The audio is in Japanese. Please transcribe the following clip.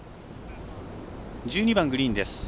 １２番、グリーンです。